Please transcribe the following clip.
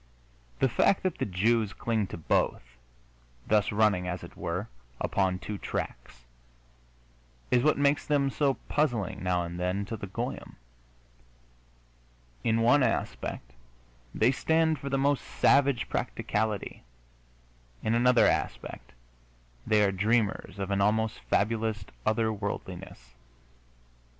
The fact that the Jews cling to both, thus running, as it were, upon two tracks, is what makes them so puzzling, now and then, to the goyim. In one aspect they stand for the most savage practicality; in another aspect they are dreamers of an almost fabulous other worldiness.